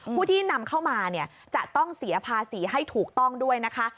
ผู้ที่นำเข้ามาเนี่ยจะต้องเสียภาษีให้ถูกต้องด้วยนะคะ